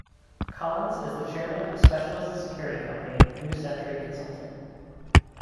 Collins is the Chairman of specialist security company, New Century Consulting.